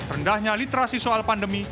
rendahnya literasi soal pandemi